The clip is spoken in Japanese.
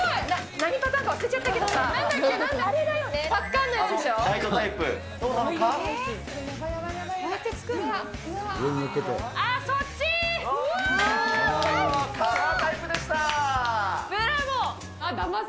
何パターンが忘れちゃったけどさ。